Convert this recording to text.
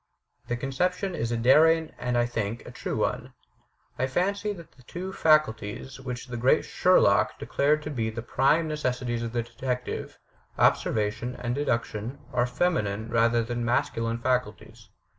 The conception is a daring, and, I think, a true one. I fancy that 314 THE TECHNIQUE OF THE MYSTERY STORY the two faculties which the great Sherlock declared to be the prime necessities of a detective, observation and deduction, are feminine rather than masculine faculties.